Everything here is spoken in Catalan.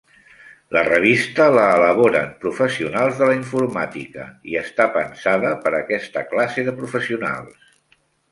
La revista la elaboren professionals de la informàtica i està pensada per a aquesta classe de professionals.